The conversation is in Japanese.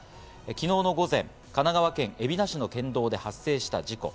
昨日の午前、神奈川県海老名市の県道で発生した事故。